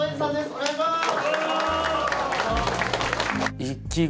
お願いします！